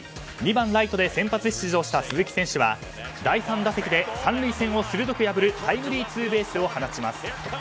２番ライトで先発出場した鈴木選手は第３打席で３塁線を鋭く破るタイムリーツーベースを放ちます。